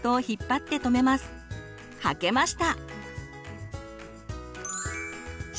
履けました！